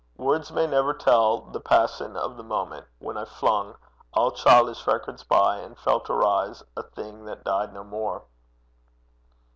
Words may never tell The passion of the moment, when I flung All childish records by, and felt arise A thing that died no more!